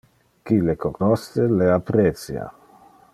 Qui le cognosce le apprecia.